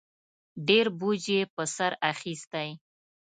ډېر بوج یې په سر اخیستی